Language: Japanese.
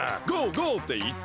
ゴー！」っていって。